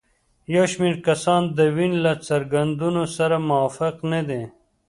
یو شمېر کسان د وین له څرګندونو سره موافق نه دي.